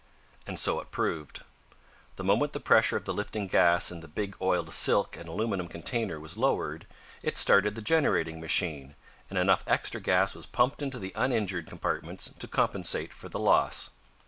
And so it proved. The moment the pressure of the lifting gas in the big oiled silk and aluminum container was lowered, it started the generating machine, and enough extra gas was pumped into the uninjured compartments to compensate for the loss.